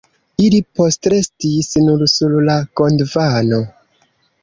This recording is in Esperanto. Ili postrestis nur sur la Gondvano.